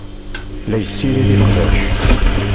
La yessirid iqbac.